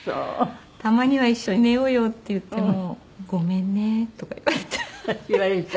「たまには一緒に寝ようよ」って言っても「ごめんね」とか言われて。